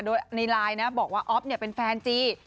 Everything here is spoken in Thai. โดยในไลน์นะบอกว่าอ๊อฟเป็นแฟนจี